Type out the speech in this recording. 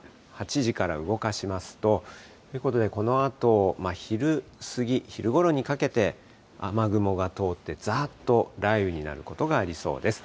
８時から動かしますと。ということで、このあと、昼過ぎ、昼ごろにかけて、雨雲が通って、ざーっと雷雨になることがありそうです。